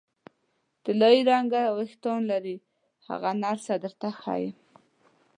طلايي رنګه وریښتان لري، هغه نرسه درته ښیم.